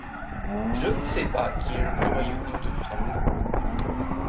Je ne sais pas qui est le plus voyou de nous deux, finalement